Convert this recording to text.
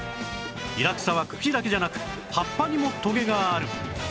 イラクサは茎だけじゃなく葉っぱにもトゲがある